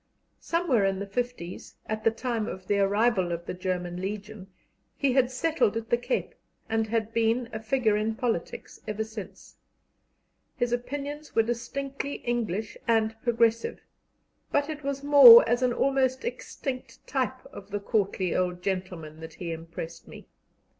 Somewhere in the fifties, at the time of the arrival of the German Legion, he had settled at the Cape, and had been a figure in politics ever since. His opinions were distinctly English and progressive, but it was more as an almost extinct type of the courtly old gentleman that he impressed me.